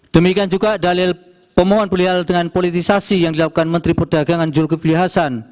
demikian juga dalil pemohon beliau dengan politisasi yang dilakukan menteri perdagangan zulkifli hasan